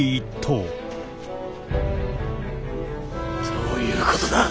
どういうことだ！？